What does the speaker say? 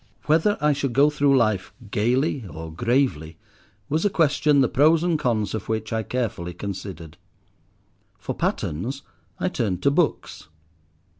Whether I should go through life gaily or gravely was a question the pros and cons of which I carefully considered. For patterns I turned to books.